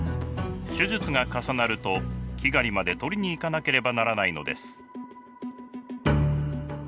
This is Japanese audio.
手術が重なるとキガリまで取りに行かなければならないのです。